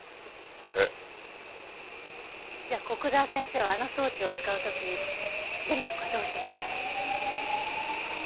えっ？じゃあ古久沢先生はあの装置を使う時電力はどうしてたんだろう？